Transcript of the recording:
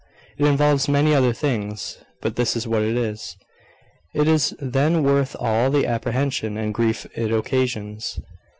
It involves many other things; but this is what it is. Is it then worth all the apprehension and grief it occasions?